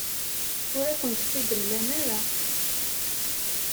Ur akent-t-id-mlan ara.